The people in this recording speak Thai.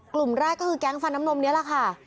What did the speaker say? กลุ่มแรกก็คือแก๊งฟันน้ำนมนี้แหละค่ะ